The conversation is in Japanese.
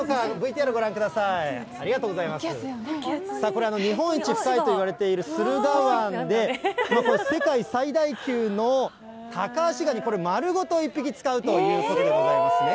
これ、日本一深いといわれている駿河湾で、世界最大級のタカアシガニ、これ丸ごと１匹使うということでございますね。